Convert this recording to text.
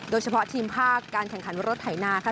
โดยเฉพาะทีมภาคการแข่งขันรถไถนาค่ะ